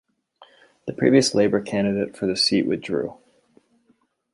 The previous Labour candidate for the seat withdrew.